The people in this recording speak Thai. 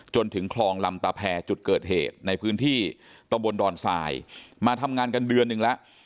จนถึงคลองลำตะแพรจุดเกิดเหตุในพื้นที่ตำบลดอนทรายมาทำงานกันเดือนหนึ่งแล้ว